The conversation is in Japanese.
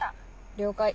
了解。